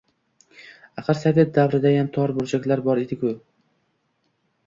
Axir, sovet davridayam tor burchaklar bor edi-ku?